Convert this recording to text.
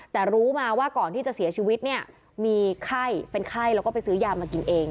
แต่รู้มาว่าก่อนที่จะเสียชีวิตเนี่ยมีไข้เป็นไข้แล้วก็ไปซื้อยามากินเอง